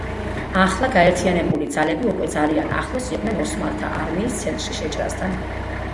ახლა, გაერთიანებული ძალები უკვე ძალიან ახლოს იყვნენ ოსმალთა არმიის ცენტრში შეჭრასთან.